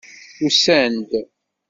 Usan-d.